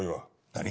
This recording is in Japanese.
何？